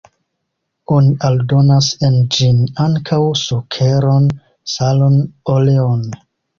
Oni aldonas en ĝin ankaŭ sukeron, salon, oleon.